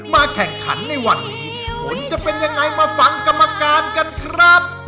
แข่งขันในวันนี้ผลจะเป็นยังไงมาฟังกรรมการกันครับ